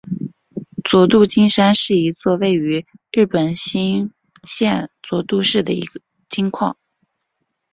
佐渡金山是一座位于日本新舄县佐渡市的金矿。